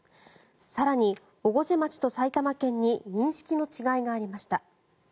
更に、越生町と埼玉県に認識の違いがありました。